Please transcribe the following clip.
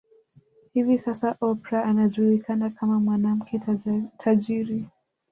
Hivi Sasa Oprah anajulikana kama mwanamke tajiri